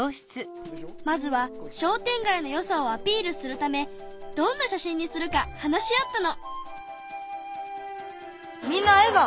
まずは商店街のよさをアピールするためどんな写真にするか話し合ったの。